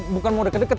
bukan mau deket deket